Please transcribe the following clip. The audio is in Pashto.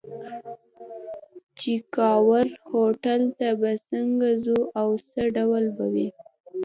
چې کاوور هوټل ته به څنګه ځو او څه ډول به وي.